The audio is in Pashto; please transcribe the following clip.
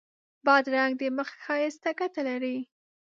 بادرنګ د مخ ښایست ته ګټه لري.